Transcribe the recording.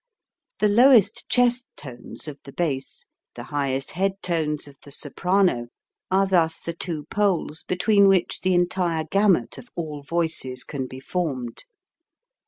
The lowest chest tones of the bass, the highest head tones of the soprano, are thus the two poles between which the entire gamut of all voices can be formed.